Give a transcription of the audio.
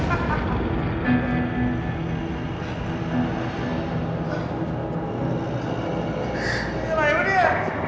จัดเต็มให้เลย